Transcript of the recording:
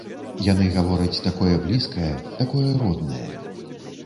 Яны гавораць такое блізкае, такое роднае.